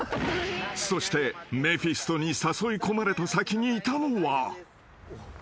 ［そしてメフィストに誘いこまれた先にいたのは］